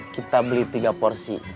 kita beli tiga porsi